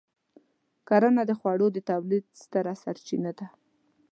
کرنه د خوړو د تولید ستره سرچینه ده.